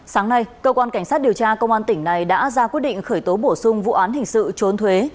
sáng nay cơ quan cảnh sát điều tra công an tỉnh này đã ra quyết định khởi tố bổ sung vụ án hình sự trốn thuế